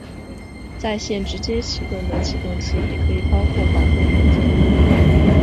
在线直接起动的启动器也可以包括保护元件。